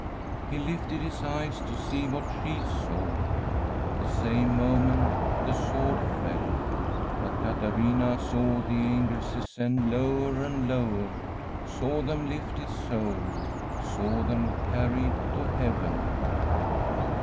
He lifted his eyes to see what she saw ; the same moment the sword fell. But Caterina saw the angels descend lower and lower, saw them lift his soul, saw them carry it to heaven.